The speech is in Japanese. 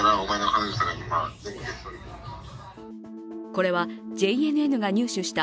これはＪＮＮが入手した